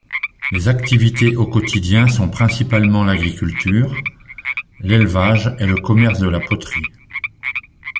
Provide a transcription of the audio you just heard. Les activités au quotidien sont principalement l'agriculture, l'élevage et le commerce et la poterie.